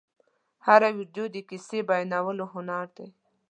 هره ویډیو د کیسې بیانولو هنر دی.